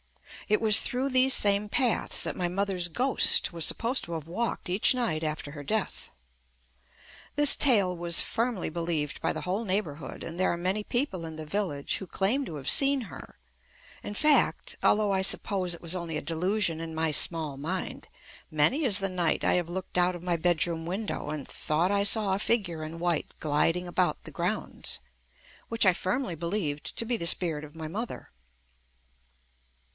It was through these same paths that my mother's ghost was supposed to have walked each night after her death. This tale was firmly believed by the whole neighbor hood, and there are many people in the village who claim to have seen her; in fact, although I suppose it was only a delusion in my small mind, many is the night I have looked out of my bed room window and thought I saw a fig ure in white gliding about the grounds, which I firmly believed to be the spirit of my mother.